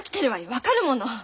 分かるもの。